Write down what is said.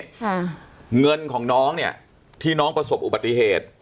ค่ะเงินของน้องเนี้ยที่น้องประสบอุบัติเหตุ